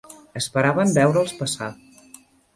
Esperaven veure'ls passar